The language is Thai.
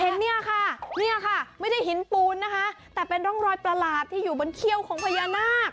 เนี่ยค่ะเนี่ยค่ะไม่ได้หินปูนนะคะแต่เป็นร่องรอยประหลาดที่อยู่บนเขี้ยวของพญานาค